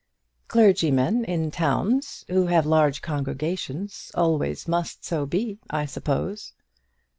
"Clergymen in towns, who have large congregations, always must so be, I suppose."